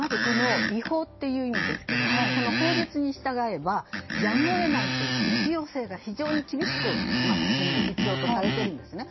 違法という意味ですが法律に従えばやむを得ないという必要性が非常に厳しく必要とされているんですね。